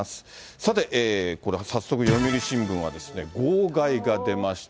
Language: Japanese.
さて、早速、読売新聞は号外が出ました。